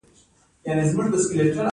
د ژور زخم لپاره باید څه شی وکاروم؟